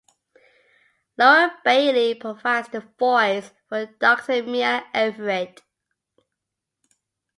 Laura Bailey provides the voice for Doctor Mia Everett.